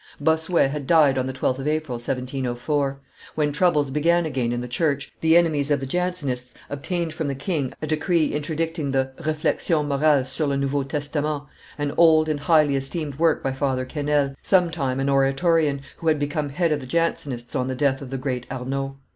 Bossuet had died on the 12th of April, 1704. When troubles began again in the church, the enemies of the Jansenists obtained from the king a decree interdicting the Reflexions morales cur le Nouveau Testament, an old and highly esteemed work by Father Quesnel, some time an Oratorian, who had become head of the Jansenists on the death of the great Arnauld.